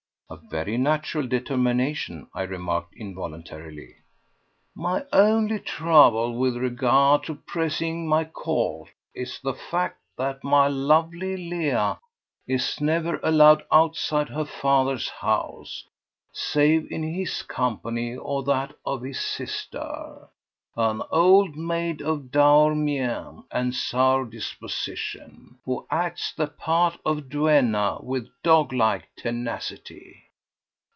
"A very natural determination," I remarked involuntarily. "My only trouble with regard to pressing my court is the fact that my lovely Leah is never allowed outside her father's house, save in his company or that of his sister—an old maid of dour mien and sour disposition, who acts the part of a duenna with dog like tenacity.